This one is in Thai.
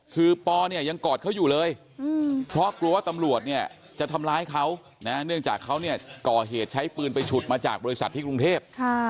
คือปอเนี่ยยังกอดเขาอยู่เลยเพราะกลัวว่าตำรวจเนี่ยจะทำร้ายเขานะเนื่องจากเขาเนี่ยก่อเหตุใช้ปืนไปฉุดมาจากบริษัทที่กรุงเทพ